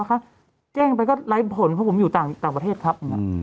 เขาแจ้งไปก็ไร้ผลเพราะผมอยู่ต่างประเทศครับ